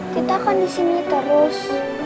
kita akan disini terus